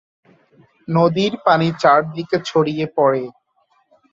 নদীর পানি চারদিকে ছড়িয়ে পড়ে।